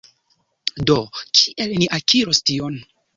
Do, kiel ni akiros tion